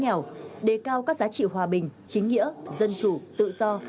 như vấn đề dịch bệnh đói nghèo đề cao các giá trị hòa bình chính nghĩa dân chủ tự do